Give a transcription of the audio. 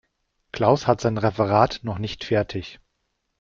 Klaus hat sein Referat noch nicht fertig.